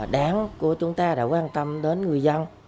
đáng của chúng ta đã quan tâm đến người dân